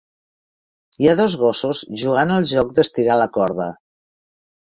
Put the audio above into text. Hi ha dos gossos jugant al joc d'estirar la corda.